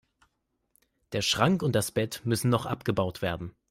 Der Schrank und das Bett müssen noch abgebaut werden.